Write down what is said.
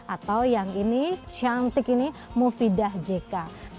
atau yang ini cantik ini mufidah jk